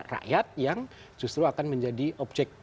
rakyat yang justru akan menjadi objek